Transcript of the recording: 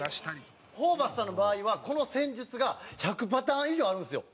田村：ホーバスさんの場合はこの戦術が１００パターン以上あるんですよ。